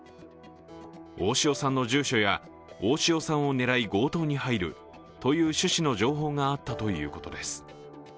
大塩さんの住所や大塩さんを狙い強盗に入るという趣旨の情報があったということです。